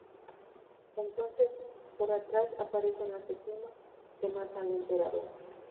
Entonces por atrás aparece un asesino, que mata al emperador.